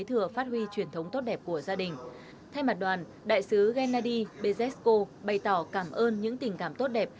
thay mặt đoàn đại sứ gennady bezesko bày tỏ cảm ơn những tình cảm tốt đẹp